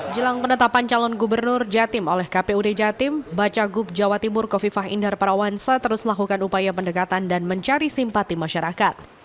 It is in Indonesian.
jelang penetapan calon gubernur jatim oleh kpud jatim bacagub jawa timur kofifah indar parawansa terus melakukan upaya pendekatan dan mencari simpati masyarakat